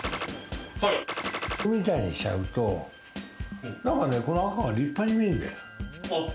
みたいにしちゃうとこの赤が立派に見えるんだよ。